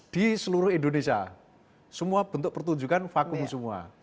di seluruh indonesia semua bentuk pertunjukan vakum semua